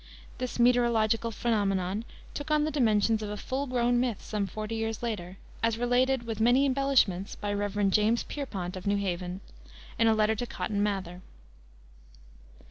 This meterological phenomenon took on the dimensions of a full grown myth some forty years later, as related, with many embellishments, by Rev. James Pierpont, of New Haven, in a letter to Cotton Mather.